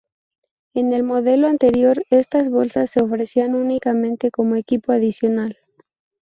En el modelo anterior estas bolsas se ofrecían únicamente como equipo adicional.